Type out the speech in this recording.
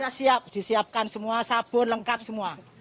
sudah siap disiapkan semua sabun lengkap semua